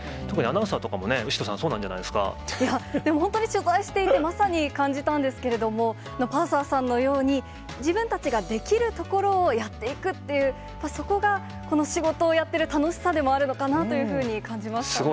特にアナウンサーとかもね、後呂さん、そうなんじゃないですでも本当に取材していて、まさに感じたんですけども、パーサーさんのように、自分たちができるところをやっていくっていう、そこが、この仕事をやってる楽しさでもあるのかなと感じました。